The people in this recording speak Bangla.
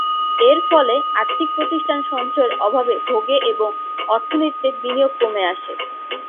এর ফলে আর্থিক প্রতিষ্ঠান সঞ্চয়ের অভাবে ভোগে এবং অর্থনীতিতে বিনিয়োগ কমে আসে।